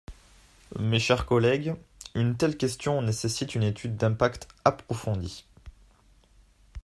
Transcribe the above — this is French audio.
Mes chers collègues, une telle question nécessite une étude d’impact approfondie.